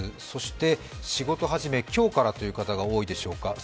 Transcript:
そして仕事始め、今日からという方が多いでしょうか。